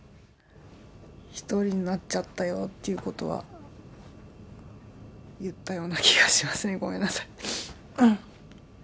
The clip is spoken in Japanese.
一人になっちゃったよっていうことは言ったような気がしますね、ごめんなさい。